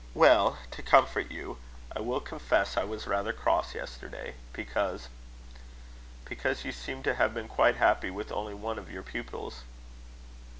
"Well, to comfort you, I will confess I was rather cross yesterday because because you seemed to have been quite happy with only one of your pupils."